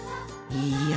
いや。